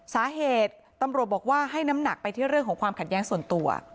สาเหตุตำรวจบอกว่าให้น้ำหนักไปที่เรื่องของความขัดแย้งส่วนตัว